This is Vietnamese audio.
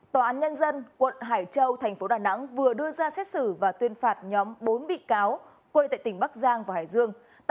tòa án nhân dân quận hải châu thành phố đà nẵng vừa đưa ra xét xử và tuyên phạt nhóm bốn bị cáo quê tại tỉnh bắc giang và hải dương